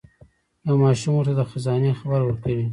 یو ماشوم ورته د خزانې خبر ورکوي.